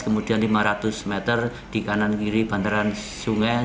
kemudian lima ratus meter di kanan kiri bantaran sungai